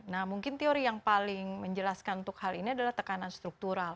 nah mungkin teori yang paling menjelaskan untuk hal ini adalah tekanan struktural